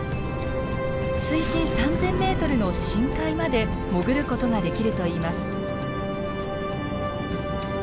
水深３，０００ｍの深海まで潜ることができるといいます。